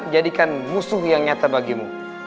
jadikan musuh yang nyata bagimu